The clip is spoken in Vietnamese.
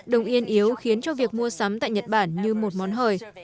đồng yên yếu khiến cho việc mua sắm tại nhật bản như một món hời